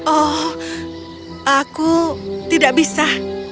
oh aku tidak bisa